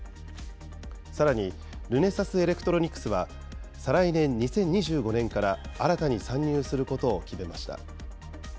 さらにルネサスエレクトロニクスは、再来年・２０２５年から新たに参入することを決めました。